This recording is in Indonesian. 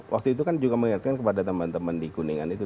waktu itu kan juga mengingatkan kepada teman teman di kuningan itu